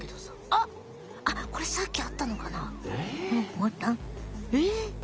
あっこれさっきあったのかな？え？